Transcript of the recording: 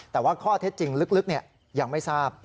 แต่ว่าข้อเท็จจริงลึกยังไม่ทราบ